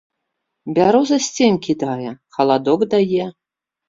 Бяроза сцень кідае, халадок дае.